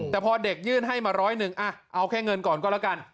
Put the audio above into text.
แต่พอเด็กยื่นให้มาร้อยหนึ่งเอาแค่เงินก่อนก็แล้วกัน